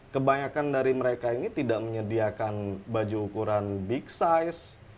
kebanyakan dari mereka ini tidak menyediakan baju ukuran big size